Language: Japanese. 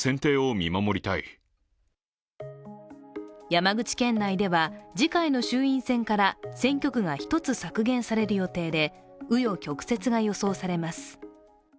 山口県内では次回の衆院選から選挙区が１つ削減される予定で紆余曲折が予想されます。